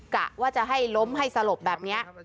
กะว่าจะให้ล้มให้สลบแบบนี้